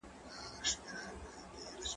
زه به سبا د کتابتوننۍ سره خبري وکړم!!